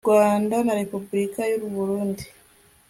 Rwanda na Repubulika y u Burundi